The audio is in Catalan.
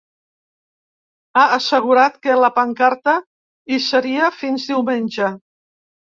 Ha assegurat que la pancarta hi seria fins diumenge.